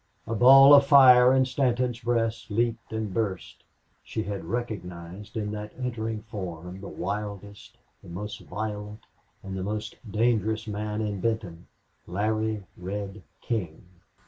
A ball of fire in Stanton's breast leaped and burst. She had recognized in that entering form the wildest, the most violent and the most dangerous man in Benton Larry Red King.